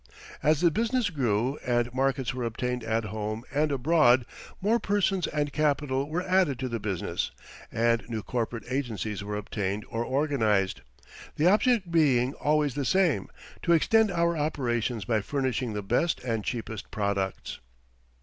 As the business grew, and markets were obtained at home and abroad, more persons and capital were added to the business, and new corporate agencies were obtained or organized, the object being always the same to extend our operations by furnishing the best and cheapest products.